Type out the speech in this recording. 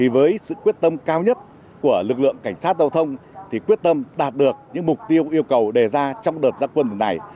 với sự quyết tâm cao nhất của lực lượng cảnh sát giao thông quyết tâm đạt được những mục tiêu yêu cầu đề ra trong đợt gia quân tuần này